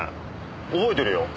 覚えてるよ。